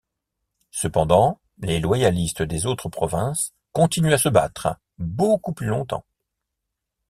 Cependant, les loyalistes des autres provinces continuent à se battre beaucoup plus longtemps.